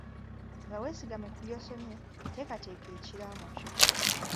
Nga weesigamye ku byosomye teekateeka ekiraamo kyo.